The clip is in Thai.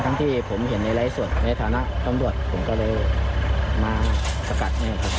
ทั้งที่ผมเห็นในไร้ส่วนในฐานะตำรวจผมก็เลยมาสกัดเนี่ย